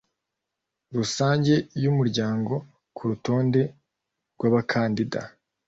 rusange y Umuryango ku rutonde rw abakandida